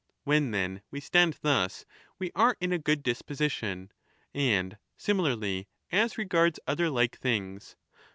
When, then, we stand thus, we are in a good disposition. And similarly as regards other like things.